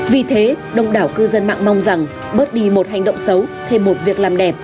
vì thế đông đảo cư dân mạng mong rằng bớt đi một hành động xấu thêm một việc làm đẹp